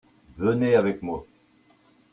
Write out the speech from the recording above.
Venez avec moi !